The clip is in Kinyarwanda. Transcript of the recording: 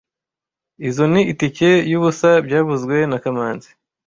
Izoi ni itike yubusa byavuzwe na kamanzi